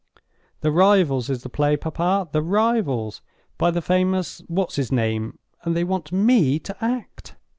"'The Rivals' is the play, papa—'The Rivals,' by the famous what's his name—and they want ME to act!